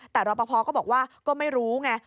แต่รอปภก็บอกว่าก็ไม่รู้ไง